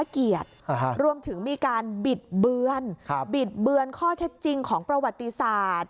การบิดเบื้อนข้อเท็จจริงของประวัติศาสตร์